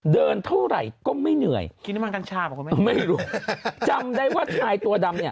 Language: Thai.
เดินเท่าไหร่ก็ไม่เหนื่อยกินน้ำมันกัญชาป่ะคุณแม่ไม่รู้จำได้ว่าชายตัวดำเนี่ย